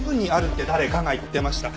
って誰かが言ってました。